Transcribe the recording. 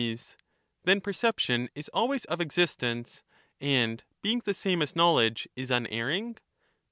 Sac, Then perception is always of existence, and being the same as knowledge is unerring